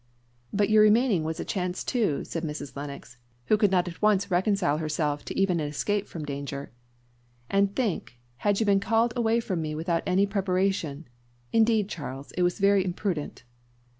"But your remaining was a chance too," said Mrs. Lennox, who could not all at once reconcile herself even to an escape from danger; "and think, had you been called away from me without any preparation! Indeed, Charles, it was very imprudent."